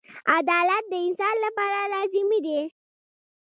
• عدالت د انسان لپاره لازمي دی.